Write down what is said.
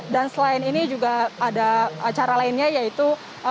dan selain ini juga ada acara lainnya yaitu